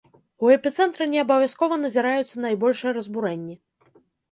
У эпіцэнтры неабавязкова назіраюцца найбольшыя разбурэнні.